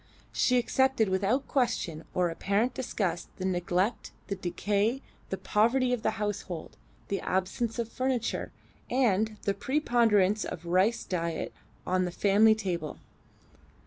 She accepted without question or apparent disgust the neglect, the decay, the poverty of the household, the absence of furniture, and the preponderance of rice diet on the family table.